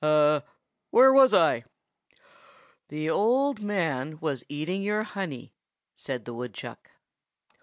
A—where was I?" "The old man was eating your honey," said the woodchuck.